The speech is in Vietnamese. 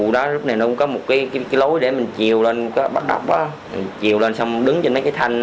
mình cũng có một cái lối để mình chiều lên bắt đọc chiều lên xong đứng trên mấy cái thanh